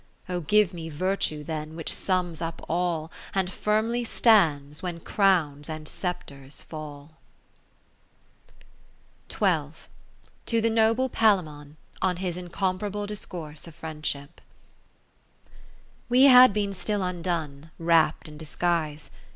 Oh give me Virtue then, which sums up all. And firmly stands when Crowns and Sceptres fall. To the Noble Palaemon, on his incomparable Dis course of Friendship We had been still undone^ wrapt in disguise.